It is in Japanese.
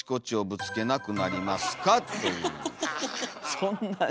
そんなに？